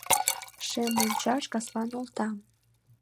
Шем мончаш каслан олта